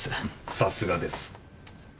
さすがです。